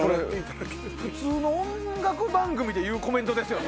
普通の音楽番組で言うコメントですよ